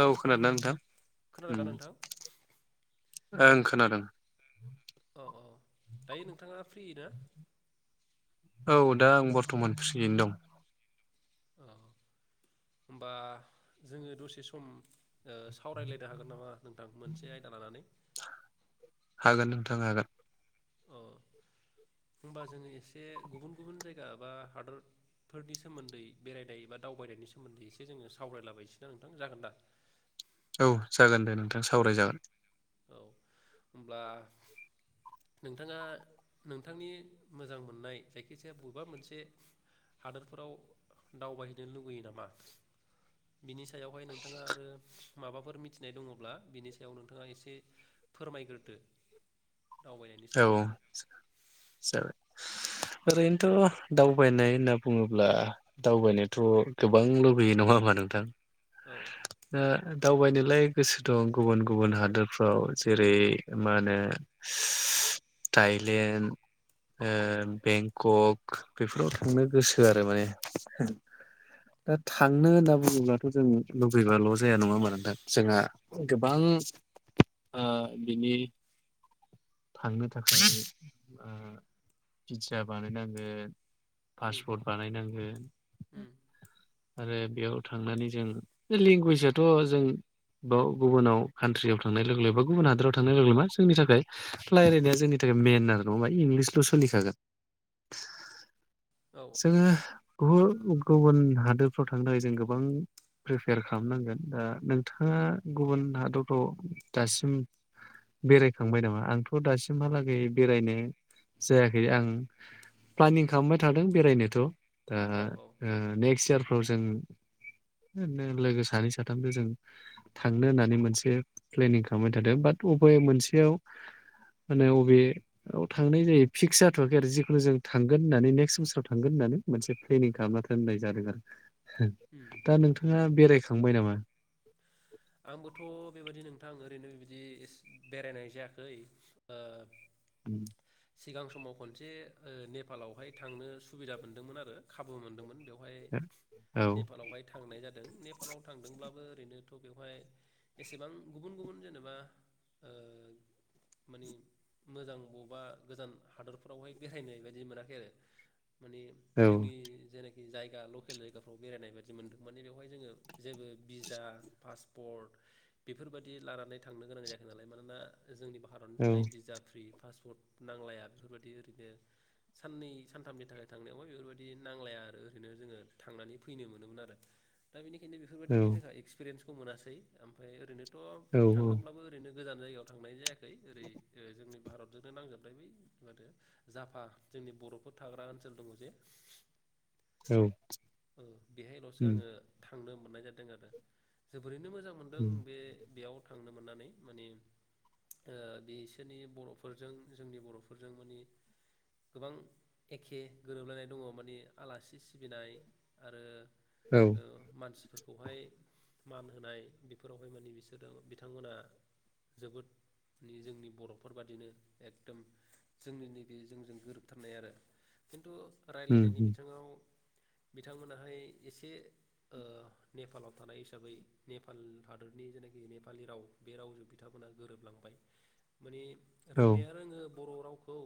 औ खोनादोंना नोंथां खोनादोंना नोंथां अम ओं खोनादों औ औ दायो नोंथाङा फ्रि ना औ दा आं बरथमान फ्रियैनो दं औ होमबा जोंङो दसे सम ओ सावरायलायनो हागोन नामा नोंथां मोनसे आयदा लानानै हागोन नोंथां हागोन अ होमबा जोंङो एसे गुबुन-गुबुन जायगा बा हादरफोरनि सोमोन्दै बेरायनाय बा दावबायनायनि सोमोन्दै एसे जोंङो सावरायलाबायसैना नोंथां जागोन दा औ जागोन दे नोंथां सावरायजागोन औ होमब्ला नोंथाङा नोंथांनि मोजां मोननाय जायखिजाया बबेबा मोनसे हादोरफोराव दावबायहैनो लुबैयो नामा बिनि सायावहाय नोंथाङा आरो माबाफोर मिथिनाय दङब्ला बिनि सायाव नोंथाङा ए से फोरमायग्रोदो दावबायनायनि औ सोमोन्दै जाबाय ओरैनोथ दावबायनाय होनना बुङोब्ला दावबायनोथ गोबां लुबैयो नङा होनबा नोंथां औ दा दावबायनोलाय गोसो दं गुबुन-गुबुन हादोरफ्राव जेरै मा होनो थाइलेण्ड ओ औ बेंकक बेफोराव थांनो गोसो आरो माने दा थांनो होनना बुङोब्लाथ' जों लुबैबाल' जाया नङा जोंहा गोबां ओ बिनि थांनो थाखाय ओ भिजा बानायनांगोन उम पासपर्ट बानायनांगो उम अम आरो बेयाव थांनानै जों लेंगुवेजथ' जों बयाव गुबुनाव कान्ट्रियाव थांनाय लोगो लोगो बा गुबुन हादोराव थांनाय लोगो मा जोंनि थाखाय रायलायनाया जोंनि थाखाय मेन आरो नङाबा इंलिसल' सोलिखागोन औ जोंङो गुबु गुबुन हादोरफ्राव थांनो थाखाय जों गोबां प्रिफेयार खालामनांगोन दा नोंथाङा गुबुन हादरफ्राव दासिम बेरायखांबाय नामा आंथ' दासिमहालागै बेरायनो जायाखै आं प्लानिं खालामबाय थादों बेरायनोथ' दा औ औ ओ नेक्स्ट इयार फ्राव जों बिदिनो लोगो सानै साथामसो जों थांनो होननानै मोनसे प्लेनिं खालामबाय थादों बाट अबे मोनसेयाव माने अबेयाव थांनाय जायो फिक्स जाथ'वाखै आरो जिखुनु जों थांगोन होननानै नेक्स्ट बोसोराव थांगोन होननानै मोनसे प्लेनिं खालामना होननाय जादों आरो। उम दा नोंथाङा बेरायख खांबाय नामा आंबोथ' बेबायाददि नोंथां ओरैनो बेबायदि बेरायनाय जायाखै ओ अम सिगां समाव खनसे ओ नेपालावहाय थांनो सुबिदा मोनदोंमोन आरो खाबु मोनदोंमोन। बेवहाय औ नेपालावहाय थांनाय जादों नेपालाव थांदोंब्लाबो नोथ' बेवहाय एसेबां गुबुन गुबुन जेनेबा ओ मानि मोजां बबेबा गोजान हादरफोरावहाय बेरायनाय बायदि मोनाखै आरो माने औ जोंनि जेरै जायगा लकेल जायगाफ्राव बेरायनाय बायदि मोन्दों माने बेवहाय जोङो जेबो बिजा पासपर्ट बेफोरबायाददि लानानै थांनो गोनां जायाखै नालाय मानोना जोंनि भारतनि औ थाखाय बिजा फ्रि पासपर्ट नांलाया बेफोरबायदि ओरैनो साननै सानथामनि थाखाय थांनायावहाय बेफोरबायदि नांलाया आरो ओरैनो जोङो थांनानै फैनो मोनोमोन आरो दा बेनि इनो बेफोरबायदि जोंहा एक्स पिरिेन्सखौ मोनासै ओमफ्राय ओरैनो थ' औ थांदोंब्लाबो ओरैनो गोजान जायगायाव थांनाय जायाखै [inaudible] ओरै ओ जोंनो भारतजोंनो नांजोबबाय बै माथ जाफा जोंनि बर'फोर थाग्रा ओनसोल दङ जे औ बेहायल'सो आङो थांनो मोननाय जादों आरो। ओरैनो मोजां मोनदों बे-बेयाव थांनो मोननानै माने ओ बिसोरनि बर'फोरजों जोंनि बर'फोरजों माने गोबां एखे गोरोबलायनाय दङ माने आलासि सिबिनाय आरो औ ओ मानसिफोर बहाय मान होनाय बेफोरावहाय माने बिसोरो बिथांमोना जोबोद नि-जोंनि बर'फोरबादिनो एकदम जोंनि नै बे जोंजों गोरोबथारनाय आरो खिन्थु राज्लायनायनि बिथिङाव बिथांमोनाहाय एसे ओ नेपालाव थानाय हिसाबै नेपाल हादरनि जेनाखि नेपालि राव बे रावजों बिथांमोना गोरोबलांबाय माने औ रोंनाया रोङो बर' रावखौ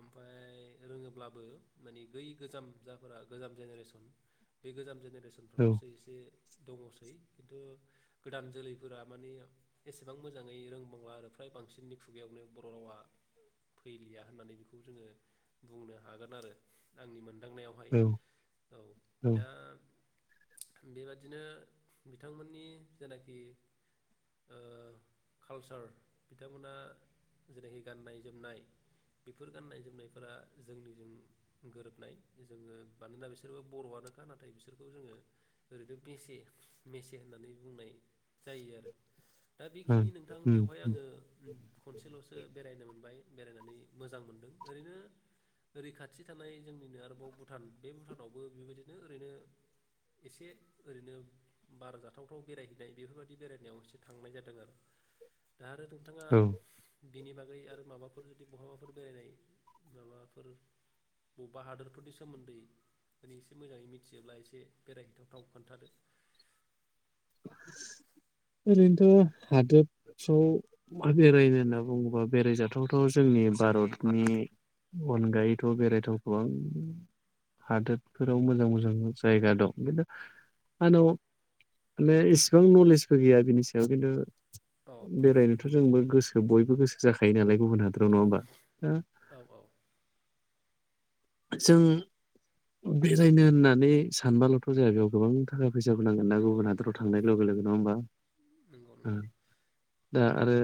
ओमफ्राय रोङोब्लाबो माने बै गोजाम जायफोरा गोजाम जेनेरेसन बे गोजाम जायगा औ बेसनफ्राल'सो एसे दङसै खिन्थु गोदान जोलैफोरा माने एसेबां मोजाङै रोंबांला आरो फ्राय बांसिननि खुगायावनो बर' रावा फैलिया होननानै बेखौ जोङो बुंनो हागोन आरो आंनि मोन दांनायावहाय औ औ ओं दा बेबायदिनो बिथांमोननि जेनाखि ओ कालसार बिथांमोना जेनाखि गाननाय-जोमनाय बेफोर गाननाय-जोमनायफोरा जोंनिजों गोरोबनाय जोङो मानोना बिसोरबो बर'आनोखा नाथाय बिसोरखौ जोङो ओरैनो बेसे- मेसे होननानै बुंनाय जायो आरो। दा बेखिनि नोंथां उम बेवहाय आङो उम खनसेल'सो बेरायनो मोनबाय। बेरायनानै मोजां मोनदों ओरैनो ओरै खाथि थानाय जोंनिनो आरोबाव भुटान बे भुटानावबो बेबायदिनो ओरैनो एसे ओरैनो बार जाथावथाव बेरायहैनाय बेफोरबायदि बेरायनायाव एसे थांनाय जादों आरो। दा आरो नोंथाङा औ बिनि बागै आरो माबाफोर जुदि बहाबाफोर बेरायनाय माबाफोर बबेबा हादोरफोरनि सोमोन्दै माने एसे मोजाङै मिथियोब्ला एसे बेरायहैथावथाव खोन्थादो ओरैनोथ' हादोद फ्राव बेरायनो होनना बुङोबा बेरायजाथाव थ' जोंनि भारतनि अनगायैथ' बेरायथावथाव गोबां हादोदफोराव मोजां मोजां जायगा दं खिन्थु आंनाव माने इसेबां नलेजबो गैया बिनि सायाव खिन्थु औ बेरायनोथ' जोंबो गोसो बयबो गोसो जाखायो नालाय गुबुन हादराव नङा होमबा दा औ औ जों बेरायनो होननानै सानबाल'थ' जाया बेयाव गोबां थाखा फैसाबो नांगोन ना नंगौ गुबुन नंगौ हादराव थांनाय लोगो लोगो नङा होमबा नंगौ उम नंगौ दा औ आरो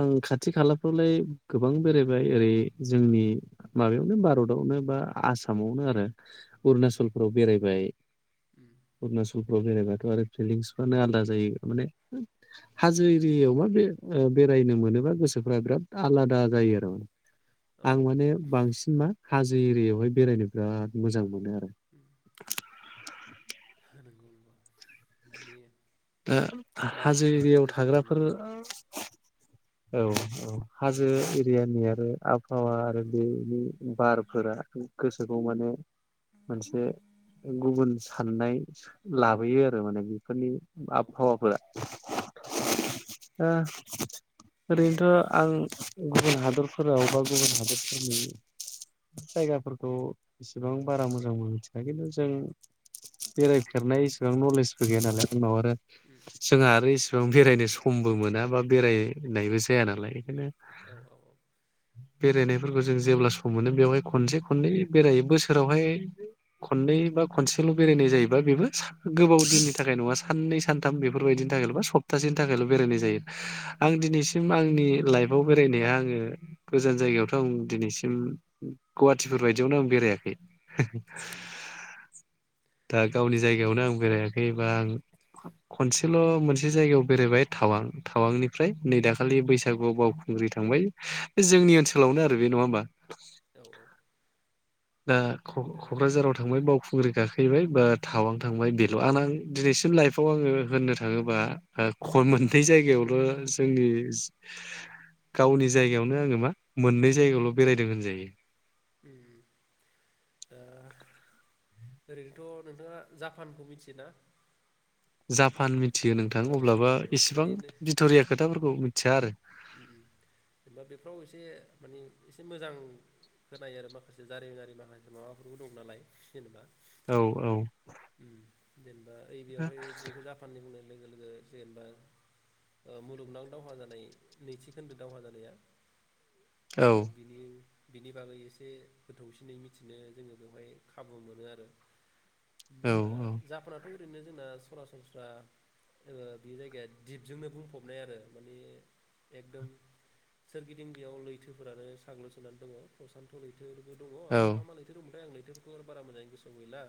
आं खाथि खालाफ्रावलाय गोबां बेरायबाय ओरै जोंनि माबायाव नो भारतावनो बा आसामावनो आरो उम उम अरुणाचलफोराव बेरायबाय उम अरुणाचल फ्राव जेनेबाथ' आरो फिलिंसफ्रानो आलादा जायो माने हाजो एरियायाव बा बे ओ बेरायनो मोनोबा गोसोफ्रा बिराद आलादा जायो आरो माने। औ आं औ माने बांसिन हाजो एरियाआवहाय बेरायनो बिराद मोजां मोनो आं उम नंगौ नंगौ माने दा हाजो मानसिफोराहाय एरियायाव गोजोननाय थाग्राफोर मोनो औ औ हाजो एरियानि आरो आबहावा आरो बेनि बारफोरा गोसोखौ माने मोनसे गुबुन साननाय लाबोयो आरो माने बे फोरनि औ आबहावा फोरा उम ओ ओरैनोथ' आं गुबुन हादरफोराव बा गुबुन हादरफोरनि जायगाफोरखौ एसेबां बारा मोजांबो मिथिया खिन्थु जों बेरायफेरनाय इसेबां नलेजबो गैया नालाय आंनाव आरो उम उम जोंहा आरो इसेबां बेरायनो स मबो मोना बा बेराय नायबो जाया नालाय बेखायनो औ औ औ बेरायनायफोरखौ जों जेब्ला सम मोनो बेवहाय खनसे खननै बेरायो बोसोरावहाय खननै बा खनसेल' बेरायनाय जायोबा बेबो गोबाव दिननि थाखाय नङा साननै सानथाम बेफोरबायदिनि थाखायल' बा सप्तासेनि थाखायल' बेरायनाय जायो आं दिनैसिम आंनि लाइफ फाव बेरायनाया आङो गोजान जायगायावथ' आं दिनैसिम गुवाहाटिफोर बायदियावनो आं बेरायाखै औ नंगौ दा गावनि जायगायावनो आं बेरायाखैबा खनसेल' मोनसे जायगायाव बेरायबाय टावां टावांनि फ्राय नै दाखालि बैसागुआव बावखुंग्रि थांबाय बे उम जोंनि उम ओनसोलावनो आरो बे नङा होमबा [inaudible] औ औ दा दा क-क'क्राझाराव थांबाय बाव खुग्रि गाखहैबाय बात टावां उम थांबाय बेल' आंंना आं दिनैसिम लाइफआव आङो होननो थाङोबा ओ खन मोननै जायगायावल' जोंनि गावनि जायगायावनो आङो मा मोननै जायगायावल' बेरायदों होनजायो उम ओ ओरैनोथ' नोंथाङा जापानखौ मिथियो ना जापान मि थियो नोंथां अब्लाबो इसेबां माने बिथरिया खोथाफोरखौ मिथि [unintelligible] आरो जेनेबा बेफ्राव एसे माने एसे मोजां होनाय आरो माखासे जारिमिनारि माखासे माबाफोरबो दं नालाय जेनेबा औ औ। [unintelligible] ओ बेयावहाय बेखौ जापाननि बुंनो लोगो लोगो जेनेबा ओ मुलुगनां दावहा जानाय नैथिखोन्दो दावहा जानाया औ ओ बिनि बिनि बागै एसे गोथौसिनै मिथिनो जोङो बेवहाय खाबु मोनो आरो। औ जेनेबा जापाना थ' ओरैनो जोंना सरासनस्रा ओ बे जायगाया दिपजोंनो बुंफबनाय आरो माने एकदम सोरगिदिं बेयाव लैथोफोरानो साग्लोसोनानै दङ प्रसान्थ' लैथो [unintelligible] दङ' औ ओमफ्राय मा मा लैथो दंमोनथाय आंनि बेफोरखौ आरो बारा मोजाङै गोसोआव गैला।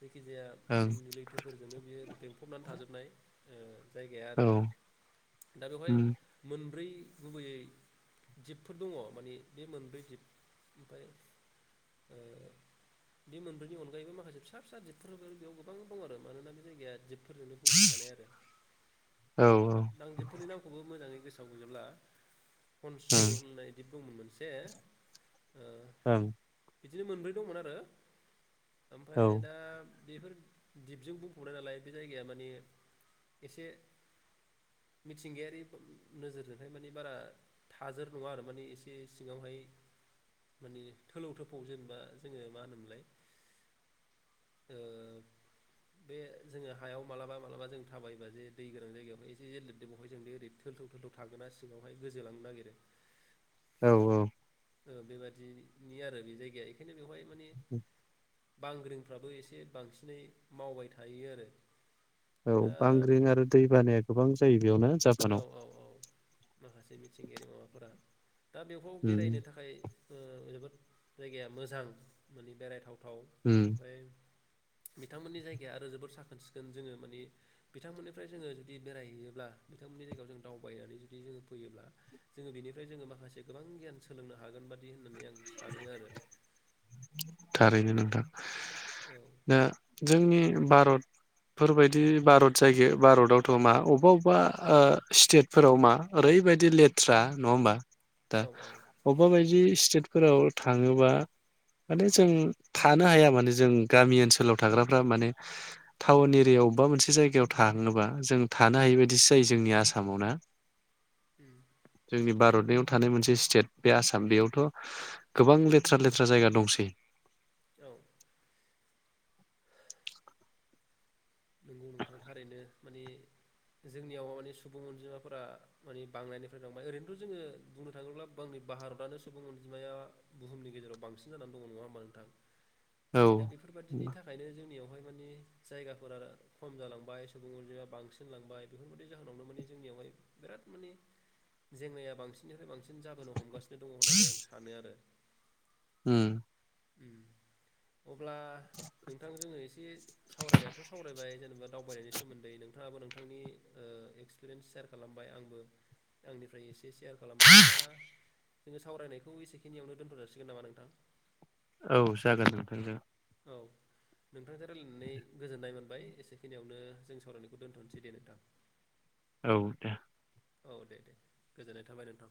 जायखिजाया ओं ओ लैथोफोरजोंनो बियो बेंफबनानै थाजोबनाय ओ जायगाया औ आरो दा बेवहाय उम मोन मोनब्रै गुबैयै दिपफोर दङ मानि बे मोनब्रै दिप ओमफ्राय बे मोनब्रैनि अनगायैबो माखासे फिसा फिसा जिबफोर बेयाव गोबां दं आरो मानोना बे जायगाया जिब [unintelligible] बुंथ'खानाय आरो औ आं जिबफोरनि नामखौबो मोजाङैसो [unintelligible] फनसु होनलायदि दङ मोनसे ओ ओं। बिदिनो मोनब्रै दंमोन आरो। औ। ओमफ्राय दा बेफोर दिपजों बुंफबनाय नालाय बे जायगाया माने एसे मिथिंगायारि नोजोरजोंहाय माने बारा थाजोर नङा आरो माने एसे सिङावहाय मानि थोलौ थोफाव जेनेबा जोङो मा होनोमोनलाय ओ बे जोङो हायाव मालाबा मालाबा जों थाबायबा जे दै गोरान जायगायावहाय एसे जे लिरद बहाय जों ओरै थोल्थाव थोलथाव थागोना सिङावहाय गोजोलांनो नागिरो। औ औ। ओ बेबादिनि आरो बे जायगाया बेखायनो बेवहाय माने बांग्रिंफ्राबो एसे बांसिनै मावबाय थायो आरो। औ दा बांग्रिं आरो दै बानाया गोबां बेयाव नो औ जापानाव औ औ माखासे मिथिंगायारि माबाफोरा दा बेखौ उम बेरायनो थाखाय ओ जोबोद जायगाया मोजां माने बेरायथाव। उम। बिथांमोननि जायगाया आरो जोबोर साखोन सिखोन जोङो माने बिथांमोननिफ्राय जोङो जुदि बेरायहैयोब्ला बिथांमोननि जायगायाव जों दावबायनानै जुदि जोङो फैयोब्ला जोङो बिनिफ्राय जोङो माखासे गोबां गियान सोलोंनो हागोन बा बिदि होननानै आं सानो आरो थारैनो नोंथां औ दा जोंनि भारतफोरबायदि भारत जायगायाव भारतावथ' मा अबेबा अबेबा ओ स्टेटफोराव मा ओरैबायदि लेथ्रा नङा होमबा दा औ औ अबावबा बायदि सितेद फोराव थाङोबा माने जों थानो हाया माने जों गामि ओनसोलाव थाग्राफ्रा माने टाउन एरियायाव अबेबा मोनसे जायगायाव थाङोबा जों थानो उम हायि बायदिसो जायो जोंनि आसाम सामावना उम जोंनि भारतनियाव थानाय मोनसे स्टेट बे आसाम बेयावथ' गोबां लेथ्रा लेथ्रा जायगा दंसै औ नंगौ नोंथां थारैनो माने जोंनियाव माने सुबुं अनजिमाफोरा माने बांनायनिफ्राय बांबाय ओरैनोथ' जोङो बुंनो थाङोब्ला आंनि भारतआानो सुबुं अनजिमाया बुहुमनि गेजेराव बांसिन जानानै दङ नङा होमबा नोंथां औ दा बेफोरबादिनि थाखायनो जोंनियावहाय मानि जायगाफोर आरो खम जालांबाय सुबुं अनजिमाया बांसिन लांबाय बेफोरबादि जाहोनावनो माने जोंनियावहाय बिराद माने जेंनाया बांसिननिफ्राय बांसिन जाबोनो हमगासिनो दङ होननानै आं सानो आरो। उम। [inaudible] अब्ला नोंथांजोंङो एसे सावरायनायाथ' सावरायबाय जेनेबा दावबायनायनि सोमोन्दै नोंथाङाबो नोंथांनि ओ एक्सपिरियेन्स सेयार खालामबाय आंबो आंनिफ्राय एसे सेयार खालामबाय दा जोङो सावरायनायखौ एसेखिनियावनो दोनथ' जासिगोन नामा नोंथां? औ जागोन नोंथांजों औ नोंथांजों रायलायनानै गोजोननायमोन बाय एसेखिनियावनो जों सावरायनायखौ दोन्थ नोसै दे नोंथां। औ दे। औ दे दे गोजोननाय थाबाय नोंथां।